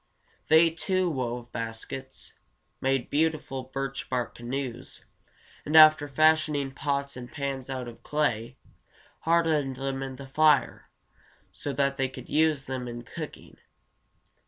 They, too, wove baskets, made beautiful birch bark canoes, and after fashioning pots and pans out of clay, hardened them in the fire, so that they could use them in cooking.